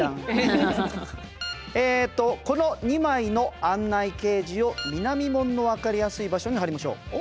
えっと「この２枚の案内掲示を南門の分かりやすい場所に貼りましょう」。